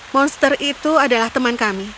monster itu adalah teman kami